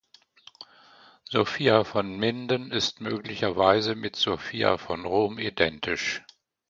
Sophia von Minden ist möglicherweise mit Sophia von Rom identisch.